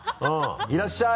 いらっしゃい！